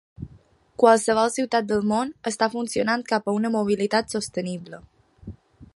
Qualsevol ciutat del món està funcionant cap a una mobilitat sostenible.